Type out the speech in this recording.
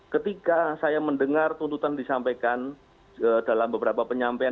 ketika saya mendengar tuntutan disampaikan dalam beberapa penyampaian